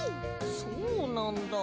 そうなんだ。